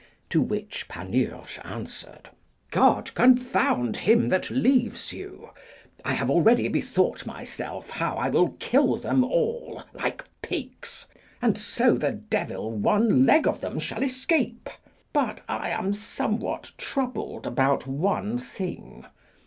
To which Panurge answered, God confound him that leaves you! I have already bethought myself how I will kill them all like pigs, and so the devil one leg of them shall escape. But I am somewhat troubled about one thing.